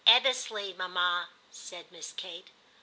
Ebbesley," mamma,* said Miss Kate.